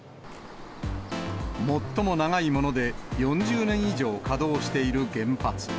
最も長いもので４０年以上稼働している原発。